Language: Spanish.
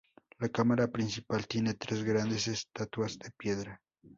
La cámara principal tiene tres grandes estatuas de piedra.